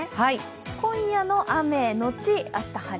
今夜の雨のち、明日晴れ。